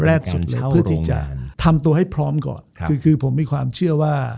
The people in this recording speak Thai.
แรกสุดเลยเพื่อที่จะทำตัวให้พร้อมก่อนคือคือผมมีความเชื่อว่า